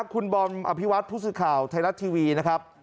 คุณบอมอภิวัตพุศุข่าวไทยรัตน์ทีวีนะครับ